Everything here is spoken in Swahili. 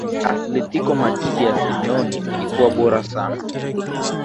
athletico madrid ya simeone ilikuwa bora sana